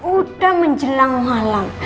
udah menjelang halam